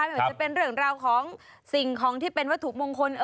ว่าจะเป็นเรื่องราวของสิ่งของที่เป็นวัตถุมงคล